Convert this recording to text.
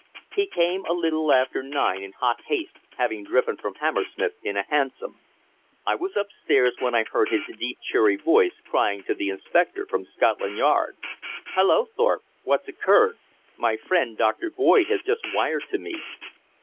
He came a little after nine in hot haste, having driven from Hammersmith in a hansom. I was upstairs when I heard his deep cheery voice crying to the inspector from Scotland Yard: "Hulloa, Thorpe. What's occurred? My friend Doctor Boyd has just wired to me."